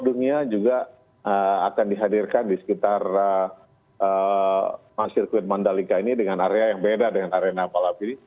dan juga kursus dunia juga akan dihadirkan di sekitar sirkuit mandalika ini dengan area yang beda dengan arena malawi